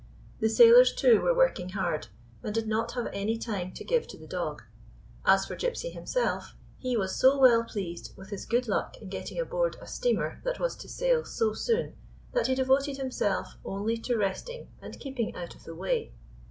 The sailors, too, were working hard, and did not have any time to give to the dog. As for Gypsy himself, he was so well pleased with his good luck in getting aboard a steamer that was to sail so soon that he devoted himself only to resting and keeping out of the way.